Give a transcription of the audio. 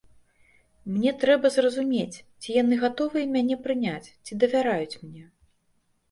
Мне трэба зразумець, ці яны гатовыя мяне прыняць, ці давяраюць мне.